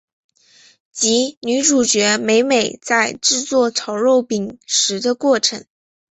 及女主角美美在制作炸肉饼时的过程。